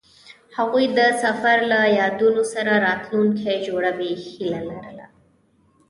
هغوی د سفر له یادونو سره راتلونکی جوړولو هیله لرله.